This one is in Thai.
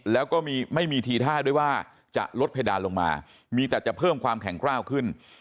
แล้วก็ไม่มีทีท่าด้วยว่าจะลดเพดานลงมามีแต่จะเพิ่มความแข็งกล้าวขึ้น